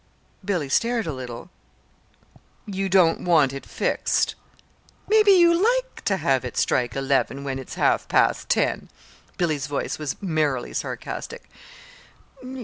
Billy stared a little. "You don't want it fixed! Maybe you like to have it strike eleven when it's half past ten!" Billy's voice was merrily sarcastic.